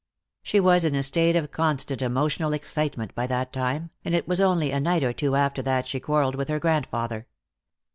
She was in a state of constant emotional excitement by that time, and it was only a night or two after that she quarreled with her grandfather.